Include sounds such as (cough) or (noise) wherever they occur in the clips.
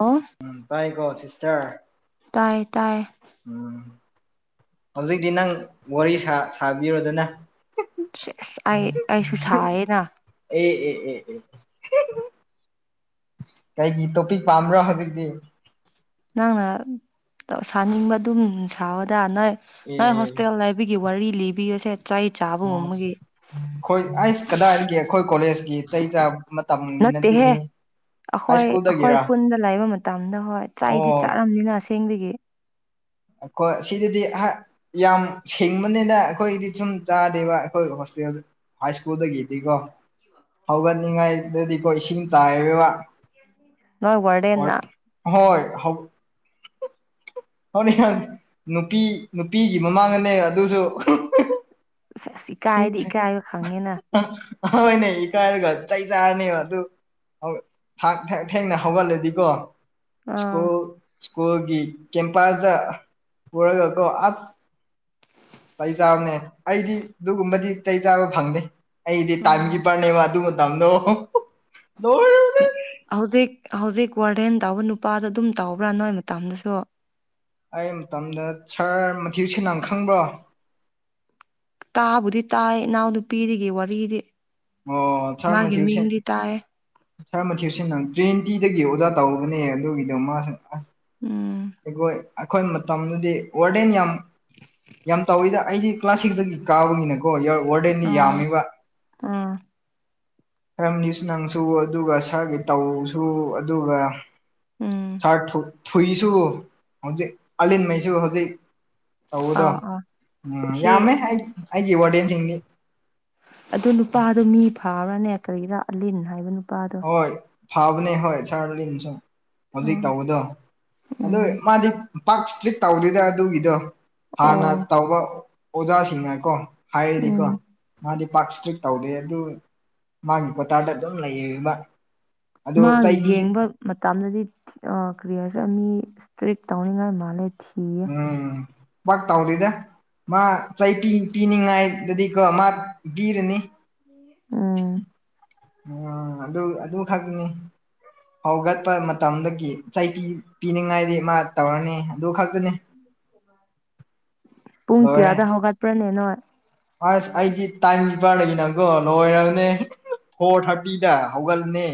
ꯑꯣ ꯎꯝ ꯇꯥꯏꯒꯣ ꯁꯤꯁꯇꯔ ꯇꯥꯏ ꯇꯥꯏ ꯎꯝ ꯍꯧꯖꯤꯛꯇꯤ ꯅꯪ ꯋꯥꯔꯤ ꯁꯥ ꯁꯥꯕꯤꯔꯣꯗꯅ ꯆꯦꯁ ꯑꯩ ꯑꯩꯁꯨ ꯁꯌꯦꯅ ꯑꯦ ꯎꯝ ꯀꯩꯒꯤ ꯇꯣꯄꯤꯛ ꯄꯥꯝꯕ꯭ꯔ ꯍꯧꯖꯤꯛꯇꯤ ꯅꯪꯅ ꯁꯥꯅꯤꯡꯕ ꯑꯗꯨꯝ ꯁꯥꯥꯎꯑꯣꯗ ꯅꯣꯏ ꯅꯣꯏ ꯑꯦ ꯍꯣꯁꯇꯦꯜ ꯕꯤꯒꯤ ꯋꯥꯔꯤ ꯂꯤꯕꯤꯌꯨꯁꯦ ꯆꯍꯤ ꯑꯁ ꯆꯥꯕꯒꯨꯝꯕꯒꯤ ꯑꯩꯈꯣꯏ ꯑꯩꯁ ꯀꯗꯥꯏꯗꯒꯤ ꯑꯩꯈꯣꯏ ꯀꯣꯂꯦꯖꯀꯤ ꯆꯩ ꯆꯥꯕ ꯃꯇꯝꯗꯤ ꯅꯠꯇꯦ ꯅꯠꯇꯦꯍꯦ ꯑꯩꯈꯣꯏ ꯑꯩꯈꯣꯏ ꯈꯨꯟꯗ ꯂꯩꯕ ꯃꯇꯝꯗ ꯍꯣꯏ ꯆꯩꯗꯤ ꯑꯣ ꯆꯥꯔꯝꯅꯤꯅ ꯑꯁꯦꯡꯕꯒꯤ ꯈꯣꯏ ꯁꯤꯗꯗꯤ ꯑꯍ ꯌꯥꯝ ꯁꯦꯡꯕꯅꯤꯅ ꯑꯩꯈꯣꯏꯒꯤꯗꯤ ꯁꯨꯝ ꯆꯥꯗꯦꯕ ꯑꯩꯈꯣꯏ ꯍꯣꯁꯇꯦꯜ ꯍꯥꯏ ꯁ꯭ꯀꯨꯜꯗꯒꯤꯗꯤꯀꯣ ꯍꯧꯒꯠꯅꯤꯡꯉꯥꯏꯗꯗꯤꯀꯣ ꯏꯁꯤꯡ ꯆꯥꯏꯕ ꯅꯣꯢ ꯋꯥꯗꯦꯜꯅ ꯍꯣꯏ ꯍ ꯍꯣꯔꯦꯟ ꯅꯨꯄꯤ ꯅꯨꯄꯤꯒꯤ ꯃꯃꯥꯡꯅꯦ ꯑꯗꯨꯁꯨ ꯑꯁ ꯑꯁ ꯏꯀꯥꯏꯗꯤ ꯏꯀꯥꯏꯕ ꯈꯪꯉꯦꯅ ꯍꯣꯏꯅꯦ ꯏꯀꯥꯏꯔꯒ ꯆꯩ ꯆꯥꯔꯅꯤ ꯑꯗꯨ ꯊꯥꯛ ꯊꯥꯛ ꯊꯦꯡꯅ ꯍꯧꯒꯠꯂꯗꯤꯀꯣ ꯑꯥ ꯁ꯭ꯀꯨꯜ ꯁ꯭ꯀꯨꯜꯒꯤ ꯀꯦꯝꯄꯥꯁꯇ ꯄꯨꯔꯒ ꯀꯣ ꯑꯁ ꯆꯩ ꯆꯥꯕꯅꯦ ꯑꯩꯗꯤ ꯑꯗꯨꯒꯨꯝꯕꯗꯤ ꯆꯩ ꯆꯥꯕ ꯐꯪꯗꯦ ꯑꯩꯗꯤ ꯇꯥꯏꯝ ꯀꯤꯞꯄꯔꯅꯦꯕ ꯑꯗꯨ ꯃꯇꯝꯗꯣ ꯂꯣꯢꯔꯕꯅꯤ ꯍꯧꯖꯤꯛ ꯍꯧꯖꯤꯛ ꯋꯥꯔꯗꯦꯟ ꯇꯥꯎꯕ ꯅꯨꯄꯥꯗꯣ ꯑꯗꯨꯝ ꯇꯥꯎꯕ꯭ꯔꯥ ꯅꯣꯏ ꯃꯇꯝꯗꯁꯨ ꯑꯩ ꯃꯇꯝꯗ ꯁꯥꯔ ꯃꯊꯤ ꯁꯦꯅꯥꯥꯡ ꯈꯪꯕ꯭ꯔꯣ ꯇꯥꯕꯨꯗꯤ ꯇꯥꯏ ꯏꯅꯥꯎ ꯅꯨꯄꯤꯗꯒꯤ ꯋꯥꯔꯤꯗꯤ ꯑꯣ ꯁꯥꯔ ꯃꯥꯒꯤ ꯃꯊ꯭ꯌꯨ ꯃꯤꯡꯗꯤ ꯇꯥꯏ ꯁꯥꯔ ꯃꯊꯤꯁꯤ ꯅꯪ ꯇ꯭ꯋꯦꯟꯇꯤꯗꯒꯤ ꯑꯣꯖꯥ ꯇꯧꯕꯅꯦ ꯑꯗꯨꯒꯤꯗꯣ ꯃꯥꯁꯨ ꯑꯁ ꯎꯝ ꯑꯩꯈꯣꯢ ꯑꯩꯈꯣꯏ ꯃꯇꯝꯗꯨꯗꯤ ꯋꯥꯔꯗꯦꯟ ꯌꯥꯝ ꯌꯥꯝ ꯇꯧꯋꯤꯗ ꯑꯩꯗꯤ ꯀ꯭ꯂꯥꯁ ꯁꯤꯁꯇꯒꯤ ꯀꯥꯕꯅꯤꯅ ꯑꯣ ꯋꯥꯔꯗꯦꯟꯗꯤ ꯌꯥꯝꯃꯦꯕ ꯑꯥ ꯈꯔꯝꯒꯤꯁꯨ ꯅꯪꯁꯨ ꯑꯗꯨꯒ ꯁꯥꯔꯒꯤ ꯇꯧꯁꯨ ꯑꯗꯨꯒ ꯎꯝ ꯁꯥꯔ ꯊꯨꯏꯁꯨ ꯍꯧꯖꯤꯛ ꯑꯂꯟꯉꯩꯁꯨ ꯍꯧꯖꯤꯛ ꯇꯧꯕꯗꯣ ꯑꯥ ꯑꯥ ꯎꯝ ꯁꯤ ꯌꯥꯝꯃꯦ ꯑꯩ ꯑꯩꯒꯤ ꯑꯣꯔꯗꯤꯦꯟꯁꯤꯡꯗꯤ ꯑ ꯅꯨꯄꯥꯗꯣ ꯃꯤ ꯐꯥꯕ꯭ꯔꯥꯅꯦ ꯀꯔꯤꯔꯥ ꯑꯂꯤꯟ ꯍꯥꯏꯕ ꯅꯨꯄꯥꯗ ꯍꯣꯏ ꯐꯕꯅꯦ ꯍꯣꯏ ꯁꯥꯔꯟꯁꯨ ꯍꯧꯖꯤꯛ ꯎꯝ ꯇꯧꯕꯗꯣ ꯑꯗꯨ ꯎꯝ ꯃꯥꯗꯤ ꯄꯥꯛ ꯏꯁꯇ꯭ꯔꯤꯛ ꯇꯧꯗꯣꯏꯗ ꯑꯗꯨꯒꯤꯗꯣ ꯍꯥꯟꯅ ꯑꯣ ꯇꯧꯕ ꯑꯣꯖꯥꯁꯤꯡꯅꯀꯣ ꯍꯥꯏꯔꯗꯤꯀꯣ ꯎꯝ ꯃꯥꯗꯤ ꯄꯥꯛ ꯏꯁꯇ꯭ꯔꯤꯛ ꯇꯧꯗꯦ ꯑꯗꯨ ꯃꯥꯒꯤ ꯀꯣꯇꯥꯔꯗ ꯑꯗꯨꯝ ꯂꯩꯔꯤꯕ ꯑꯗꯨ ꯆꯩ ꯃꯥꯒꯤ ꯄꯤ ꯌꯦꯡꯕ ꯃꯇꯝꯗꯗꯤ ꯀ꯭ꯔꯤꯌꯔꯁꯦ ꯃꯤ ꯏꯁꯇ꯭ꯔꯤꯛ ꯇꯧꯅꯤꯡꯉꯥꯏ ꯃꯥꯜꯂꯦ ꯊꯤ ꯎꯝ ꯥꯛ ꯇꯥꯎꯗꯗ ꯃꯥ ꯆꯩ ꯄꯤꯅꯤꯡꯉꯥꯏꯗꯨꯗꯤꯀꯣ ꯃꯥ ꯄꯤꯔꯅꯤ ꯎꯝ ꯎꯝ ꯑꯗꯨ ꯑꯗꯨ ꯈꯛꯅꯤ ꯍꯧꯒꯠꯄ ꯃꯇꯝꯗꯒꯤ ꯆꯩꯕꯤ ꯄꯤꯅꯤꯡꯉꯥꯏꯗꯤ ꯃꯥ ꯇꯧꯔꯅꯤ ꯑꯗꯨ ꯈꯛꯇꯅꯤ ꯂꯣꯏꯔꯦ ꯄ꯭ꯔꯅꯦꯟ ꯅꯣꯏ ꯑꯁ ꯑꯩꯗꯤ ꯇꯥꯏꯝ ꯀꯤꯞꯄꯔ ꯂꯩ ꯅꯪꯀꯣ ꯂꯣꯏꯔꯒꯅꯦ ꯐꯣꯔ ꯊꯥꯔꯇꯤꯗ ꯍꯧꯒꯠꯂꯅꯦ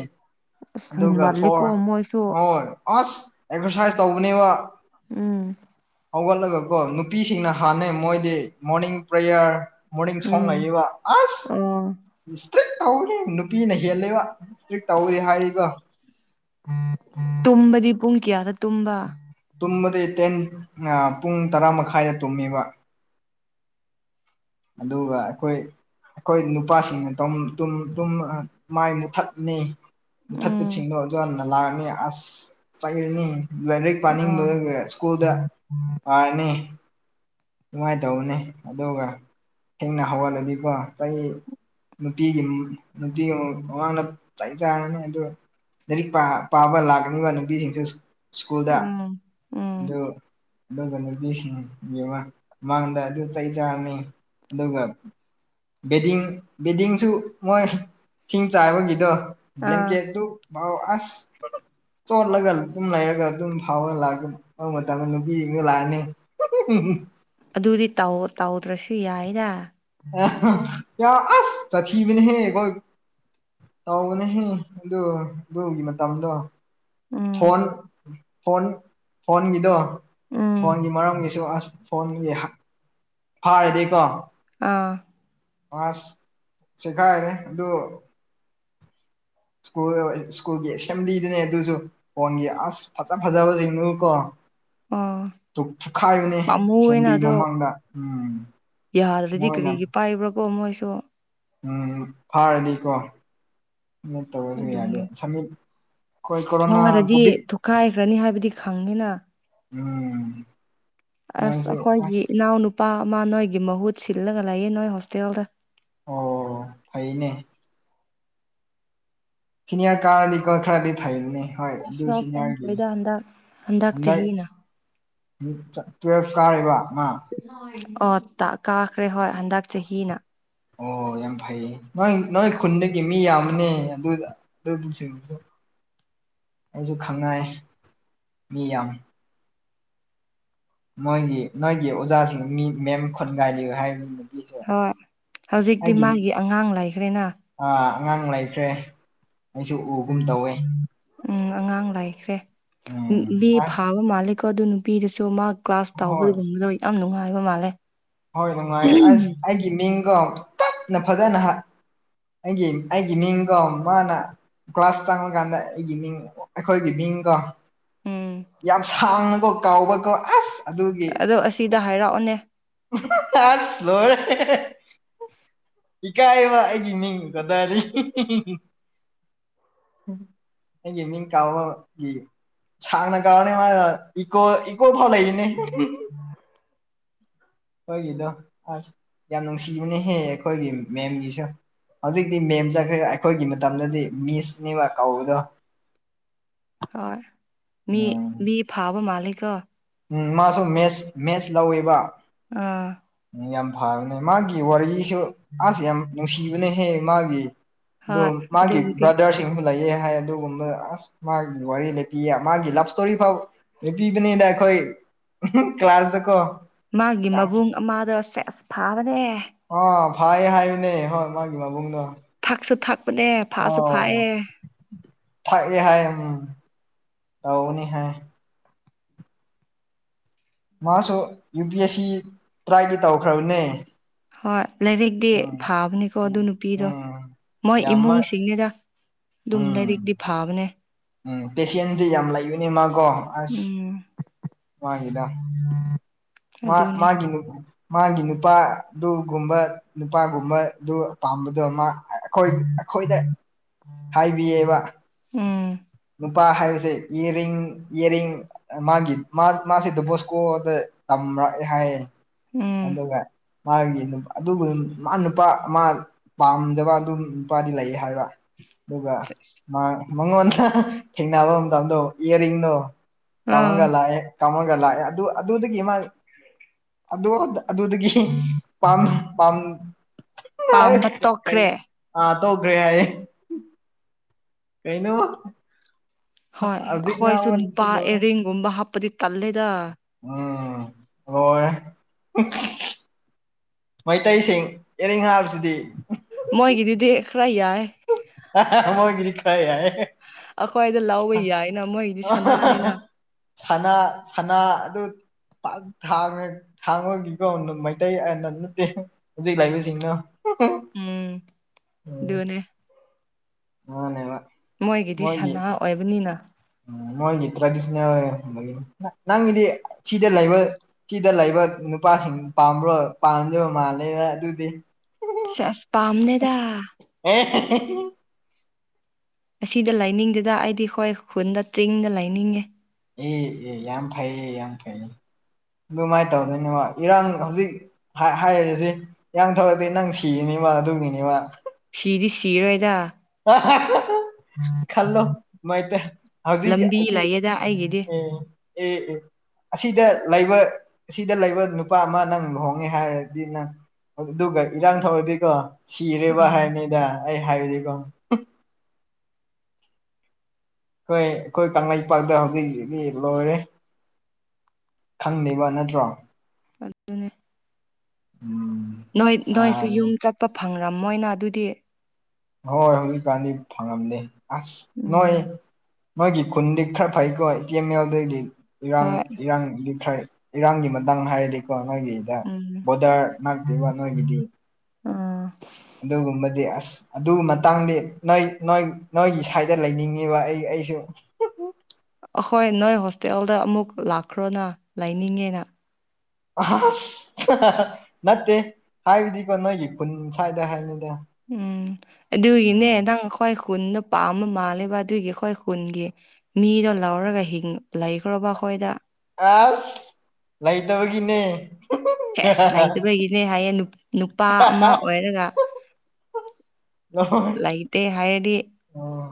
ꯑꯁ ꯑꯗꯨꯒ ꯍꯦꯟꯃꯜꯂꯤꯀꯣ ꯐꯣꯔ ꯃꯣꯏꯁꯨ ꯍꯣꯏ ꯑꯁ ꯑꯦꯛꯁꯔꯁꯥꯏꯁ ꯇꯧꯕꯅꯦꯕ ꯎꯝ ꯍꯧꯒꯠꯂꯒꯀꯣ ꯅꯨꯄꯤꯁꯤꯡꯅ ꯍꯥꯟꯅꯩ ꯃꯣꯏꯗꯤ ꯃꯣꯔꯅꯤꯡ ꯄ꯭ꯔꯦꯌꯥꯔ ꯃꯣꯔꯅꯤꯡ ꯁꯣꯡ ꯎꯝ ꯂꯩꯌꯦꯕ ꯑꯣ ꯑꯁ ꯁꯇ꯭ꯔꯤꯛ ꯇꯧꯔꯤ ꯅꯨꯄꯤꯅ ꯍꯦꯜꯂꯦꯕ ꯁꯇꯔꯤꯛ ꯇꯧꯑꯦ ꯍꯥꯏ ꯇꯨꯝꯕꯗꯤ ꯄꯨꯡ ꯀꯌꯥꯗ ꯇꯨꯝꯕ ꯇꯨꯝꯕꯗꯤ ꯇꯦꯟ ꯎꯝꯑ ꯄꯨꯡ ꯇꯔꯥ ꯃꯈꯥꯏꯗ ꯇꯨꯝꯃꯤꯕ ꯑꯗꯨꯒ ꯑꯩꯈꯣꯏ ꯑꯩꯈꯣꯏ ꯅꯨꯄꯥꯁꯤꯡꯅ ꯗꯨꯝ ꯇꯨꯝ ꯇꯨꯝ ꯑ ꯃꯥꯏ ꯃꯨꯊꯠꯅꯤ ꯎꯝ ꯃꯨꯊꯠꯄꯁꯤꯡꯗꯣ ꯑꯣꯖꯥꯅ ꯂꯥꯛꯑꯅꯤ ꯑꯁ ꯆꯩꯔꯅꯤ ꯂꯥꯏꯔꯤꯛ ꯄꯥꯅꯤꯡꯕ ꯑꯥ ꯁ꯭ꯀꯨꯜꯗ ꯄꯥꯔꯅꯤ ꯅꯨꯡꯉꯥꯏꯇꯧꯕꯅꯦ ꯑꯗꯨꯒ ꯊꯦꯡꯅ ꯍꯧꯒꯠꯂꯗꯤꯀꯣ ꯆꯍꯤ ꯅꯨꯄꯤꯒꯤ ꯅꯨꯄꯤꯒꯤ ꯑꯥꯡꯅ ꯆꯥꯛ ꯆꯥꯟꯅꯅꯤ ꯑꯗꯣ ꯂꯥꯏꯔꯤꯛ ꯄꯥꯕ ꯂꯥꯛꯀꯅꯤꯕ ꯅꯨꯄꯤꯁꯤꯡꯁ ꯁ꯭ꯀꯨꯜꯗ ꯎꯝ ꯎꯝ ꯗꯣ ꯑꯗꯨꯒ ꯅꯨꯄꯤꯁꯤꯡꯒꯤ ꯑꯃ ꯃꯥꯡꯗ ꯑꯗꯨ ꯆꯩ ꯆꯥꯔꯅꯤ ꯑꯗꯨꯒ ꯕꯦꯗꯤꯡ ꯕꯦꯗꯤꯡꯁꯨ ꯃꯣꯏ ꯊꯤꯡ ꯆꯥꯏꯕꯒꯤꯗꯣ ꯑꯥ ꯕ꯭ꯂꯦꯡꯀꯦꯠꯇꯨꯥꯎ ꯑꯁ ꯆꯣꯠꯂꯒ ꯑꯗꯨꯝ ꯂꯩꯔꯒ ꯑꯗꯨꯝ ꯐꯥꯎꯒ ꯂꯥꯛꯑꯒ ꯑꯗꯨ ꯃꯇꯝꯗ ꯅꯨꯄꯤ ꯌꯦꯡꯅ ꯂꯥꯛꯑꯅꯤ ꯍꯍꯍꯨꯝꯍꯨꯝ ꯑꯗꯨꯗꯤ ꯇꯧ ꯇꯧꯗ꯭ꯔꯁꯨ ꯌꯥꯏꯗ ꯑ ꯑꯁ ꯇꯊꯤꯕꯅꯤꯍꯦ ꯈꯣꯏ ꯇꯧꯕꯅꯦꯍꯦ ꯑꯗꯨ ꯑꯗꯨꯒꯤ ꯃꯇꯝꯗꯣ ꯎꯝ ꯐꯣꯟ ꯐꯣꯟ ꯐꯣꯟꯒꯤꯗꯣ ꯎꯝ ꯐꯣꯟꯒꯤ ꯃꯔꯝꯒꯤꯁꯨ ꯑꯁ ꯐꯣꯟꯒꯤ ꯐꯥꯔꯗꯤꯀꯣ ꯑꯥ ꯑꯁ ꯆꯦꯈꯥꯏꯒ꯭ꯔꯦ ꯑꯗꯨ ꯁꯀꯨꯜ ꯁ꯭ꯀꯨꯜꯒꯤ ꯑꯦꯁꯦꯝꯕ꯭ꯂꯤꯗꯨꯅꯦ ꯑꯗꯨꯁꯨ ꯐꯣꯟꯒꯤ ꯑꯁ ꯐꯖ ꯐꯖꯕ ꯁꯤꯡꯗꯨꯒꯀꯣ ꯑꯥ ꯇꯨꯛ ꯊꯨꯈꯥꯏꯕꯅꯦ ꯄꯥꯝꯃꯨꯌꯦꯅ ꯁꯦꯡꯕꯤ ꯑꯗꯣ ꯃꯃꯥꯡꯗ ꯎꯝ ꯌꯥꯗ꯭ꯔꯗꯤ ꯃꯣꯏꯅ ꯀꯔꯤꯒꯤ ꯄꯥꯏꯕ꯭ꯔꯥꯀꯣ ꯃꯣꯏꯁꯨ ꯎꯝ ꯐꯥꯔꯗꯤꯀꯣ ꯑꯃ ꯇꯧꯔꯁꯨ ꯌꯥꯗꯦ ꯑꯗꯨꯅꯦ ꯁꯕꯃꯤꯠ ꯐꯥꯔꯗꯤ (unintelligible) ꯊꯨꯈꯥꯏꯈ꯭ꯔꯅꯤ ꯍꯥꯏꯕꯗꯤ ꯈꯪꯉꯤꯅ ꯎꯝ (unintelligible) ꯑꯁ ꯃꯣꯏꯁꯦ ꯑꯩꯈꯣꯏꯒꯤ ꯑꯁ ꯏꯅꯥꯎꯅꯨꯄꯥ ꯑꯃ ꯅꯣꯏꯒꯤ ꯃꯍꯨꯠ ꯁꯤꯜꯂꯒ ꯂꯩꯌꯦ ꯅꯣꯏ ꯍꯣꯁꯇꯦꯜꯗ ꯑꯣ ꯐꯩꯅꯦ ꯁꯦꯅꯤꯔ ꯀꯥꯔꯗꯤ ꯀꯣ ꯈꯔꯗꯤ ꯐꯩꯌ‌ꯦꯅꯦ ꯍꯣꯏ ꯑꯗꯨ ꯁꯣꯞ ꯁꯤꯅꯤꯔꯒꯤ ꯆꯪꯈ꯭ꯔꯦꯗ ꯍꯟꯗꯛ ꯍꯟꯗꯛ ꯆꯍꯤꯅ ꯇꯨꯋꯦꯜꯚꯇ ꯀꯥꯔꯤꯕ ꯃꯥ ꯑꯣ ꯇ ꯀꯥꯈ꯭ꯔꯦ ꯍꯣꯏ ꯍꯟꯗꯛ ꯆꯍꯤꯅ ꯑꯣ ꯌꯥꯝ ꯐꯩ ꯅꯣꯏ ꯅꯣꯏ ꯈꯨꯟꯗꯒꯤ ꯃꯤ ꯌꯥꯝꯕꯅꯦ ꯑꯗꯨꯗ ꯑꯗꯨ ꯑꯩꯁꯨ ꯈꯪꯅꯥꯏ ꯃꯤ ꯌꯥꯝ ꯃꫭꯏꯒꯤ ꯅꯣꯏꯒꯤ ꯑꯣꯖꯥꯁꯤꯡ ꯃꯤ ꯃꯦꯝ ꯈꯣꯟꯒꯥꯏꯜꯂꯤ (unintelligible) ꯍꯥꯏꯕ ꯅꯨꯄꯤꯁꯨ ꯍꯣꯏ ꯍꯧꯖꯤꯛꯇꯤ ꯃꯥꯒꯤ ꯑꯉꯥꯡ ꯂꯩꯈ꯭ꯔꯦꯅ ꯑ ꯑꯉꯥꯡ ꯂꯩꯈ꯭ꯔꯦ ꯑꯩꯁꯨ ꯎꯒꯨꯝ ꯇꯧꯋꯦ ꯎꯝ ꯑꯉꯥꯡ ꯂꯥꯏꯈ꯭ꯔꯦ ꯎꯝ ꯃꯤ ꯐꯥꯕ ꯃꯥꯜꯂꯤ ꯀꯣ ꯑꯗꯨꯝ ꯅꯨꯄꯤꯗꯁꯨ ꯃꯥ ꯀ꯭ꯂꯥꯁ ꯍꯣꯏ ꯇꯥꯎꯕꯗꯒꯨꯝꯕꯗꯣ ꯌꯥꯝ ꯅꯨꯡꯉꯥꯏꯕ ꯃꯥꯜꯂꯦ ꯍꯣꯏ ꯅꯨꯡꯉꯥꯏꯌ‌ꯦ ꯑꯁ ꯑꯩꯒꯤ ꯃꯤꯡ ꯀꯣ ꯇꯞꯅ ꯐꯖꯅ ꯍꯥꯏ ꯑꯩꯒꯤ ꯑꯩꯒꯤ ꯃꯤꯡꯗꫭ ꯃꯥꯅ ꯀ꯭ꯂꯥꯁ ꯆꯪꯉꯀꯥꯟꯗ ꯑꯩꯒꯤ ꯃꯤꯡ ꯑꯩꯈꯣꯏꯒꯤ ꯃꯤꯡꯀꫭ ꯎꯝ ꯌꯥꯝ ꯁꯥꯡꯅꯀꯣ ꯀꯥꯎꯕꯀꯣ ꯑꯁ ꯑꯗꯨꯒꯤ ꯑꯗꯣ ꯑꯁꯤꯗ ꯍꯥꯏꯔꯛꯑꯣꯅꯦ ꯆꯥꯁ (unintelligible) ꯁꯂꯔꯦ (unintelligible) ꯏꯀꯥꯏꯑꯕ ꯑꯩꯒꯤ ꯃꯤ ꯀꯗꯥꯔꯤ (unintelligible) ꯑꯩꯒꯤ ꯃꯤꯡ ꯀꯥꯎꯕꯒꯤ ꯆꯥꯅ (unintelligible) ꯀꯕꯅꯤ (unintelligible) ꯃꯥ ꯏꯀꯣ ꯀꯣ ꯐꯥꯎ ꯂꯩꯥꯔ‌ꯦꯅ‌ꯦ ꯑ (unintelligible) ꯑꯩꯈꯣꯏꯒꯤꯗꯣ ꯑꯁ ꯌꯥꯝ ꯅꯨꯡꯁꯤꯕꯅꯍꯦ ꯑꯩꯈꯣꯏꯒꯤ ꯃꯦꯝꯒꯤꯁꯨ ꯍꯧꯖꯤꯛꯇꯤ ꯃꯦꯝ ꯆꯠꯈ꯭ꯔꯦ ꯑꯩꯈꯣꯏꯒꯤ ꯃꯇꯝꯗꯗꯤ ꯃꯤꯁꯅꯦꯕ ꯀꯧꯕꯗꯣ ꯍꯣꯏ ꯃꯤ ꯎꯝ ꯃꯤ ꯐꯥꯕ ꯃꯥꯂꯦꯀꯣ ꯎꯝ ꯃꯥꯁꯨ ꯃꯦꯠꯁ ꯃꯦꯠꯁ ꯂꯧꯋꯦꯕ ꯑꯥ ꯌꯥꯝ ꯐꯕꯅꯦ ꯃꯥꯒꯤ ꯋꯥꯔꯤꯁꯨ ꯑꯁ ꯌꯥꯝ ꯅꯨꯡꯁꯤꯕꯅꯍꯦ ꯃꯥꯒꯤ ꯍꯣꯏ ꯑꯗꫭ ꯃꯥꯒꯤ ꯑꯗꯨꯕꯨꯗꯤ ꯕ꯭ꯔꯥꯗꯔꯁꯤꯡ ꯂꯩꯌꯦ ꯍꯥꯏ ꯑꯗꯨꯒꯨꯝꯕ ꯑꯁ ꯃꯥꯒꯤ ꯋꯥꯔꯤ ꯂꯦꯞꯄꯤꯌꯦ ꯃꯥꯒꯤ ꯂꯞ ꯁꯇꯣꯔꯤ ꯐꯥꯎ ꯂꯦꯄꯤꯕꯅꯤꯗ ꯑꯩꯈꯣꯏ ꯀ꯭ꯂꯥꯁꯇ ꯀꯣ ꯃꯥꯒꯤ ꯃꯕꯨꯡ ꯑꯃꯗꯣ ꯁꯦꯁ ꯐꯥꯕꯅꯦ ꯑꯥ ꯐꯥꯏ ꯍꯥꯏꯕꯅꯦ ꯍꯣꯏ ꯃꯥꯒꯤ ꯃꯕꯨꯡꯗꯣ ꯊꯛꯁꯨ ꯊꯛꯄꯅꯦ ꯐꯥꯁꯨ ꯐꯥꯏꯌ‌ꯦ ꯊꯛꯑ‌ꯦ ꯍꯥꯏ ꯎꯝ ꯇꯧꯅꯤ ꯍꯥꯏ ꯃꯥꯁꯨ ꯌꯨ ꯄꯤ ꯑꯦꯁ ꯁꯤ ꯇ꯭ꯔꯥꯏꯗꯤ ꯇꯧꯈ꯭ꯔꯕꯅꯦ ꯍꯣꯏ ꯂꯥꯏꯔꯤꯛꯇꯤ ꯎꯝ ꯐꯥꯕꯅꯤꯀꯣ ꯑꯗꯨ ꯎꯝ ꯅꯨꯄꯤꯗꯣ ꯎꯝ ꯃꯣꯏ ꯌꯥꯝꯃ ꯏꯃꯨꯡꯁꯤꯡꯅꯤꯗ ꯑꯗꯨꯝ ꯎꯝ ꯂꯔꯤꯛꯗꯤꯚꯥꯕꯅꯦ ꯎꯝ ꯄꯦꯁꯦꯟꯗꯤ ꯌꯥꯝ ꯂꯩꯕꯅꯦ ꯃꯥꯀꯣ ꯎꯝ ꯃꯥꯒꯤꯗꫭ ꯑ (unintelligible) ꯃꯥ ꯃꯥꯒꯤ ꯅꯨꯞ ꯃꯥꯒꯤ ꯅꯨꯄꯥꯗꯨꯒꯨꯝꯕ ꯅꯨꯄꯥꯒꯨꯝꯕꯗꯨ ꯄꯥꯝꯕꯗꯨ ꯃꯥ ꯑꯩꯈꯣꯏ ꯑꯩꯈꯣꯏꯗ ꯍꯥꯏꯕꯤꯌꯦꯕ ꯎꯝ ꯅꯨꯄꯥ ꯍꯥꯏꯕꯁꯦ ꯌ‌ꯦꯔꯤꯡ ꯌ‌ꯦꯔꯤꯡ ꯃꯥꯒꯤ ꯃꯥ ꯃꯥꯁ‌ꯦ ꯗꫭꯟꯕꯣꯁꯀꯣꯗ ꯇꯝꯔꯛꯑꯦ ꯍꯥꯏꯌꯦ ꯎꯝ ꯑꯗꯨꯒ ꯃꯥꯒꯤ ꯑꯗꯨꯒ ꯃꯥ ꯅꯨꯄꯥ ꯃꯥ ꯄꯥꯝꯗꯕ ꯑꯗꯨꯝ ꯅꯨꯄꯥꯗꯤ ꯂꯩ ꯍꯥꯏꯕ ꯑꯗꯨꯒ ꯃꯉꯣꯟꯗ ꯊꯦꯡꯅꯕ ꯃꯇꯝꯗꯣ ꯏꯌꯥꯔꯤꯡꯗꯣ ꯀꯃꯒ ꯑꯥ ꯂꯥꯛꯑꯦ ꯀꯥꯃꯒ ꯂꯥꯛꯑꯦ ꯑꯗꯨ ꯑꯗꯨꯗꯒꯤ ꯃꯥꯥꯏ ꯑꯗꯨꯗꯒꯤ ꯄꯝ ꯄꯝꯔ ꯄꯥꯝꯕ ꯀ ꯇꯣꯛꯈ꯭ꯔꯦ ꯑꯥ ꯇꯧꯈ꯭ꯔꯦ ꯍꯥꯏꯌꯦꯦ ꯀꯩ ꯅꯕ ꯍꯣꯏ ꯑꯩꯈꯣꯏꯁꯨ ꯅꯨꯄꯥ ꯂꯣꯏꯔꯦ ꯑꯦꯔꯤꯡꯒꯨꯝꯕ ꯍꯥꯞꯄꯗꯤ ꯇꯜꯂꯦꯗ ꯎꯝ ꯍꯣꯏ ꯃꯩꯇꯩꯁꯤꯡ ꯑꯦꯔꯤꯡ ꯍꯥꯏꯕꯁꯤꯗꯤ ꯃꯣꯏꯒꯤꯗꯨꯗꯤ ꯈꯔ ꯌꯥꯏ ꯃꯒꯤꯔꯤ ꯀ꯭ꯔ ꯑꯩꯈ꯭ꯋꯥꯏꯗ ꯂꯥꯎꯕ ꯌꯥꯏꯅ ꯃꯣꯏꯗꯤ ꯁꯅꯥꯅꯤꯅ ꯁꯅꯥ ꯑꯗꯨ ꯄꯥꯛ ꯊꯥꯡꯉꯦ ꯊꯥꯡꯕꯒꯤꯀ ꯃꯩꯇꯩ ꯑꯅ ꯅꯠꯇꯦ ꯍꯧꯖꯤꯛ ꯂꯥꯛꯏꯕꯁꯤꯡꯅꯣ ꯎꯝ ꯏꯗꯨꯅꯦ ꯃꯥꯅꯦꯕ ꯃꯣꯏꯒꯤꯗꯤ ꯁꯅꯥ ꯑꯣꯏꯕꯅꯤꯅ ꯎꯝ ꯃꯣꯏꯒꯤ ꯇ꯭ꯔꯦꯗꯤꯁꯅꯦꯜꯒꯤ ꯅꯪꯒꯤꯗꯤ ꯁꯤꯗ ꯂꯩꯕ ꯁꯤꯗ ꯂꯩꯕ ꯅꯨꯄꯥꯁꯤꯡ ꯄꯥ꯭ꯔꯣ ꯄꯥꯝꯖꯕ ꯃꯥꯂꯦꯅ ꯑꯗꯨꯗꯤ ꯆꯁ ꯄꯥꯝꯅꯦꯗ ꯍ ꯑꯁꯤꯗ ꯂꯥꯏꯅꯤꯡꯗꯗ ꯑꯩꯗꯤ ꯍꯣꯏ ꯈꯨꯟꯗ ꯆꯤꯡꯗ ꯂꯥꯏꯅꯤꯡꯉꯦ ꯑꯦ ꯑꯦ ꯌꯥꯝ ꯐꯩꯌꯦ ꯌꯥꯝ ꯐꯩꯌꯦ ꯑꯗꯨꯃꯥꯏꯅ ꯇꯧꯗꯣꯏꯅ ꯏꯔꯥꯡ ꯍꯧꯖꯤꯛ ꯍꯥꯏꯔꯤꯁꯤ ꯏꯡ ꯊꯧꯔꯗꯤ ꯅꯪ ꯁꯤꯔꯤꯅꯤꯕ ꯑꯗꯨꯒꯤꯅꯤꯕ ꯁꯤꯗꯤ ꯁꯤꯔꯣꯏꯗ ꯑ ꯈꯜꯂꯣ ꯃꯥꯏ ꯍꯧꯖꯤꯛ ꯂꯝꯕꯤ ꯑꯁꯤ ꯂꯩꯌꯦꯗ ꯑꯩꯒꯤꯗꯤ ꯑꯦ ꯑꯦ ꯑꯁꯤꯗ ꯂꯩꯕ ꯑꯁꯤꯗ ꯂꯩꯕ ꯅꯨꯄꯥ ꯑꯃ ꯅꯪ ꯂꯨꯍꯣꯡꯉꯦ ꯍꯥꯏꯔꯗꯤ ꯅꯪ ꯑꯗꯨꯒ ꯏꯔꯥꯡ ꯊꯣꯛꯧꯔꯗꯤꯀꯣ ꯁꯤꯔꯦꯕ ꯑꯥ ꯍꯥꯏꯔꯅꯤꯗ ꯑꯩ ꯍꯥꯏꯕꯁꯤꯀꯣ ꯍꯣꯏ ꯑꯩꯈꯣꯏ ꯀꯪꯂꯩꯄꯥꯛꯇ ꯍꯧꯖꯤꯛꯗꯤ ꯂꯣꯏꯔꯦ ꯈꯪꯂꯤꯕ ꯅꯠꯇ꯭ꯔꯣ ꯑꯗꯨ ꯑꯗꯨꯅꯦ ꯎꯝ ꯅꯣꯏ ꯅꯣꯏꯁꯨ ꯃꯥꯅꯤ ꯌꯨꯝ ꯆꯠꯄ ꯐꯪꯔꯝꯃꯣꯏꯅ ꯑꯗꯨꯗꯤ ꯍꯣꯏ ꯍꯧꯖꯤꯛꯀꯥꯟꯗꯤ ꯐꯪꯉꯝꯗ ꯑꯁ ꯅꯣꯏ ꯎꯝ ꯃꯣꯏꯒꯤ ꯈꯨꯟꯗꯤ ꯈꯔ ꯐꯩꯀꯣ ꯑꯦ ꯇꯤ ꯑꯦꯝ ꯑꯦꯜꯗꯗꯤ ꯏꯔꯥꯡ ꯍꯣꯏ ꯏꯔꯥꯡꯗꯤ ꯈꯔ ꯏꯔꯥꯡꯒꯤ ꯃꯇꯥꯡꯗ ꯍꯥꯏꯔꯗꯤꯀꯣ ꯅꯣꯏꯒꯤꯗ ꯎꯝ ꯕꯣꯔꯗꯔ ꯉꯥꯛꯇꯦꯕ ꯅꯣꯏꯒꯤꯗꯤ ꯑꯥ ꯑꯗꯨꯒꯨꯝꯕꯗꯤ ꯑꯁ ꯑꯗꯨꯒꯤ ꯃꯇꯥꯡꯗꯤ ꯅꯣꯏ ꯅꯣꯏ ꯅꯣꯏꯒꯤ ꯁꯥꯏꯗ ꯂꯩꯅꯤꯡꯉꯤꯕ ꯑꯩ ꯑꯩꯁꯨ ꯑꯍꯣꯏ ꯅꯣꯏ ꯍꯣꯁꯇꯦꯜꯗ ꯑꯃꯨꯛ ꯂꯥꯛꯈ꯭ꯔꯣꯅ ꯂꯩꯅꯤꯡꯉꯦꯅ ꯑꯁ ꯅꯠꯇꯦ ꯍꯥꯏꯕꯗꯤꯀꯣ ꯅꯣꯏꯒꯤ ꯈꯨꯟ ꯁ꯭ꯋꯥꯏꯗ ꯍꯥꯏꯅꯤꯗ ꯎꯝ ꯑꯗꯨꯒꯤꯅꯦ ꯅꯪ ꯑꯩꯈꯣꯏ ꯈꯨꯟꯅꯗ ꯄꯥꯝꯝꯕ ꯃꯥꯂꯦꯕ ꯑꯗꯨꯒꯤ ꯑꯩꯈꯣꯏ ꯈꯨꯟꯒꯤ ꯃꯤꯗꯣ ꯂꯧꯔꯒ ꯍꯤꯡ ꯂꯩꯈ꯭ꯔꯣꯕ ꯑꯩꯈꯣꯏꯗ ꯑꯁ ꯂꯩꯇꯕꯒꯤꯅꯦ ꯐꯁ ꯂꯩꯇꯕꯒꯤꯅꯦ ꯍꯥꯏꯌꯦ ꯅꯨꯄꯥ ꯑꯃ ꯑꯣꯏꯔꯒ ꯑ ꯂꯩꯇꯦ ꯍꯥꯏꯔꯗꯤ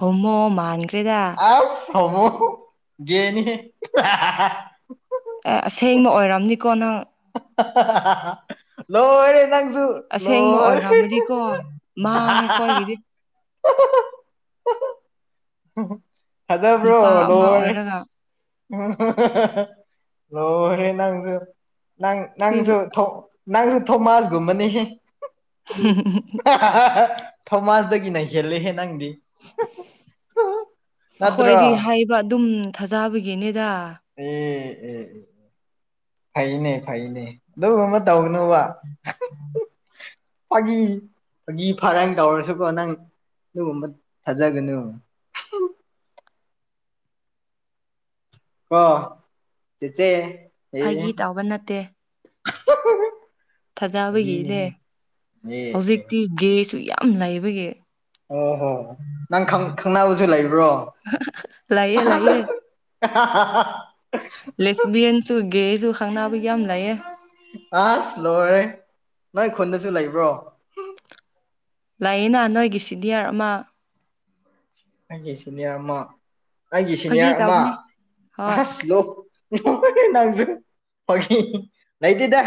ꯍꯣꯃꯣ ꯃꯥꯟꯈ꯭ꯔꯦꯗ ꯑ ꯁꯃꯨ ꯌꯦꯦꯅꯤ ꯑꯦ ꯑꯁꯦꯡꯕ ꯑꯣꯏꯔꯝꯅꯤꯀꯣ ꯅꯪ ꯂꯣꯏꯔꯦ ꯅꯪꯖꯨ ꯑꯁꯦꯡꯕ ꯂꯣꯏꯔꯦ ꯑꯣꯏꯔꯝꯃꯗꯤꯀꯣ ꯃꯥꯡꯉꯦ ꯑꯩꯈꯣꯏꯒꯤꯗꯤ ꯊꯖꯕ꯭ꯔꯣ ꯅꯨꯄꯥ ꯑꯃ ꯂꯣꯏꯔꯦ ꯑꯣꯏꯔꯒ ꯂꯣꯏꯔꯦ ꯅꯪꯖꯨ ꯅꯪ ꯁꯤ ꯅꯪꯖꯨ ꯊꯣꯛ ꯅꯪꯁꯨ ꯊꯣꯃꯥꯁꯒꯨꯝꯕꯅꯦꯍꯦ ꯍ ꯊꯣꯃꯥꯁꯗꯒꯤ ꯅꯩꯁꯜꯂꯦꯍꯦ ꯅꯪꯗꯤ ꯑꯈꯣꯏꯗꯤ ꯅꯠꯇ꯭ꯔꯣ ꯍꯥꯏꯕ ꯑꯗꯨꯝ ꯊꯥꯖꯕꯒꯤꯅꯤꯗ ꯎꯝ ꯎꯝ ꯐꯩꯅꯦ ꯐꯩꯅꯦ ꯑꯗꯨꯒꯨꯝ ꯃꯥ ꯇꯧꯒꯅꯨꯕ ꯐꯥꯒꯤ ꯐꯥꯒꯤ ꯐꯔꯥꯡ ꯇꯧꯔꯁꯨꯀꯣ ꯅꯪ ꯑꯗꯨꯒꯨꯝꯕ ꯊꯥꯖꯒꯅꯨ ꯀꯣ ꯆꯦꯆꯦ ꯐꯥꯒꯤ ꯇꯧꯕ ꯅꯠꯇꯦ ꯐꯖꯕꯒꯤꯅꯦ ꯐꯥꯒꯤꯅꯦꯍꯦ ꯑꯦ ꯑꯦ ꯍꯧꯖꯤꯛꯇꯤ ꯒꯦꯁꯨ ꯌꯥꯝ ꯂꯩꯕꯒꯤ ꯑꯣ ꯍꯣ ꯅꯪ ꯈꯪ ꯈꯪꯅꯕꯁꯨ ꯂꯩꯕ꯭ꯔꯣ ꯂꯩꯌꯦ ꯂꯩꯌꯦ (unintelligible) ꯂꯦꯁꯕꯤꯌꯟꯁꯨ ꯒꯦꯁꯨ ꯈꯪꯅꯕ ꯌꯥꯝ ꯂꯩꯌꯦ ꯑꯁ ꯂꯣꯏꯔꯦ ꯅꯣꯏ ꯈꯨꯟꯗꯁꯨ ꯂꯩꯕ꯭ꯔꯣ ꯂꯥꯛꯌꯦꯅ ꯅꯣꯏꯒꯤ ꯁꯤꯅꯤꯌꯥꯔ ꯑꯃ ꯑꯩꯒꯤ ꯁꯤꯅꯤꯌꯔ ꯑꯃ ꯑꯩꯒꯤ ꯐꯥꯒꯤ ꯁꯤꯅꯤꯌꯔ ꯑꯃ ꯇꯧꯕꯅꯦ ꯍꯣꯏ ꯑꯁ ꯂꯣꯛ ꯅꯣꯏꯔꯦ ꯅꯪꯁꯨ (unintelligible) ꯂꯩꯇꯦꯗ